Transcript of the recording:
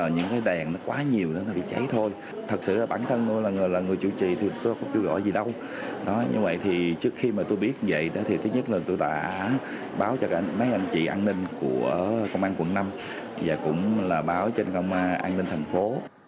như vậy thì trước khi mà tôi biết vậy thì thứ nhất là tôi đã báo cho mấy anh chị an ninh của công an quận năm và cũng là báo cho công an an ninh thành phố